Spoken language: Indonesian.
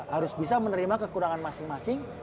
harus bisa menerima kekurangan masing masing